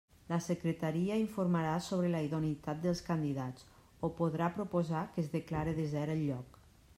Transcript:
La Secretaria informarà sobre la idoneïtat dels candidats o podrà proposar que es declare desert el lloc.